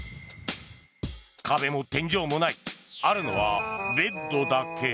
壁も天井もないあるのはベッドだけ。